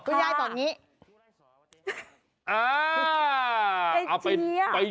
คุณยายตอนนี้